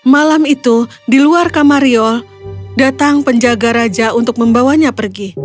malam itu di luar kamar riol datang penjaga raja untuk membawanya pergi